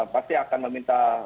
pasti akan meminta